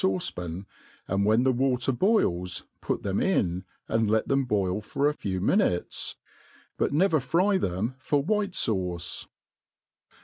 &uce pan, aod when the water boils put them in^ and let them boil for a itw minutes, but never fr]^ them for white fauce.